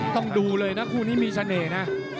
ต้องดูเลยนะคู่นี้มีเสน่ห์นะ